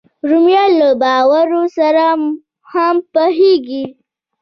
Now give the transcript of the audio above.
رومیان له بارو سره هم پخېږي